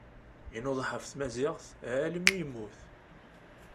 Inuḍeḥ ɣef tmaziɣt almi yemmut.